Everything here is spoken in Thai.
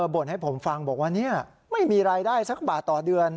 บ่นให้ผมฟังบอกว่าไม่มีรายได้สักบาทต่อเดือน